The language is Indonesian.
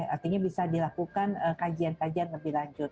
artinya bisa dilakukan kajian kajian lebih lanjut